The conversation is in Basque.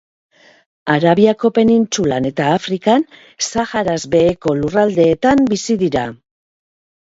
Arabiako penintsulan eta Afrikan, Saharaz beheko lurraldeetan bizi dira.